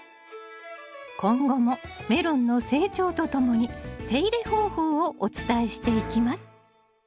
今後もメロンの成長とともに手入れ方法をお伝えしていきます。